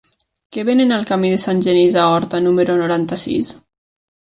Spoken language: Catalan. Què venen al camí de Sant Genís a Horta número noranta-sis?